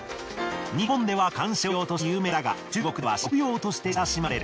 日本では観賞用として有名だが中国では食用として親しまれる。